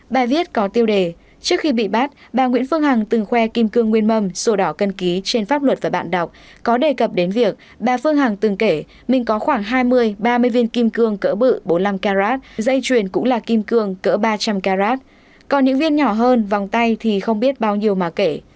bài viết có tiêu đề trước khi bị bắt bà nguyễn phương hằng từng khoe kim cương nguyên mầm sổ đỏ cân ký trên pháp luật và bạn đọc có đề cập đến việc bà phương hằng từng kể mình có khoảng hai mươi ba mươi viên kim cương cỡ bự bốn mươi năm krat dây truyền cũng là kim cương cỡ ba trăm linh krat còn những viên nhỏ hơn vòng tay thì không biết bao nhiêu mà kể